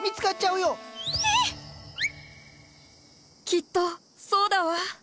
きっとそうだわ。